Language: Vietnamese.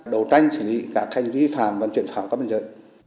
đấu tranh xử lý cả thanh vi phạm vận chuyển pháo các bình giới